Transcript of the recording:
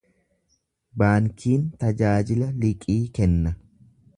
Baankiin tajaajila liqii kenna.